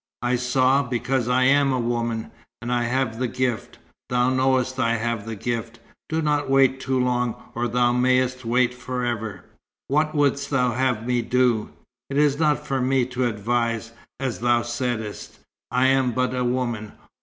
"I saw, because I am a woman, and I have the gift. Thou knowest I have the gift. Do not wait too long, or thou mayest wait for ever." "What wouldst thou have me do?" "It is not for me to advise. As thou saidst, I am but a woman.